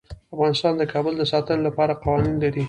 افغانستان د کابل د ساتنې لپاره قوانین لري.